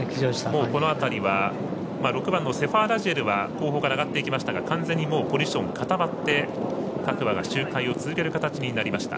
この辺りは６番セファーラジエルは後方から行きましたが完全に、もうポジション固まって各馬が周回を続ける形になりました。